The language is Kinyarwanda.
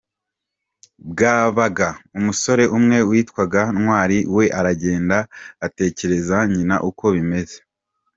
bwabaga, umusore umwe witwaga Ntwari we aragenda atekerereza nyina uko bimeze.